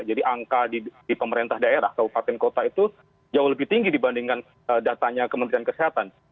jadi angka di pemerintah daerah kabupaten kota itu jauh lebih tinggi dibandingkan datanya kementerian kesehatan